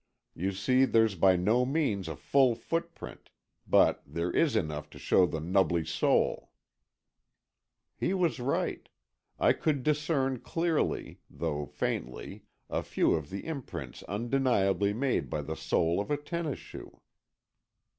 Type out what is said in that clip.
You see there's by no means a full foot print, but there is enough to show the nubbly sole." He was right. I could discern clearly, though faintly, a few of the imprints undeniably made by a sole of a tennis shoe.